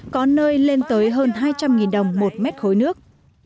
có nơi lên tới hơn hai trăm linh đồng một mét khối nước